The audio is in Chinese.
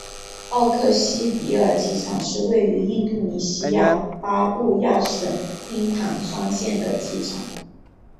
奥克西比尔机场是位于印度尼西亚巴布亚省宾坦山县的机场。